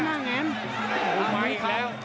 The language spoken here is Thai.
ปนอีกแล้ว